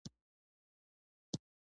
نیزې یې تیرې کړې اسونه یې زین کړل